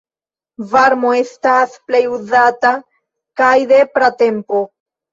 Varmo estas plej uzata, kaj de pratempo.